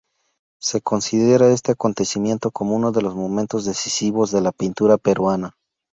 Se considera este acontecimiento como uno de los momentos decisivos de la pintura peruana.